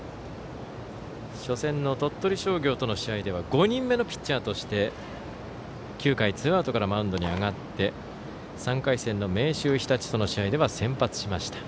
初戦の鳥取商業との試合では５人目のピッチャーとして９回ツーアウトからマウンドに上がって３回戦の明秀日立との試合では先発しました。